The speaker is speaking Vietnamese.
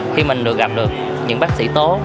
khi mình được gặp được những bác sĩ tốt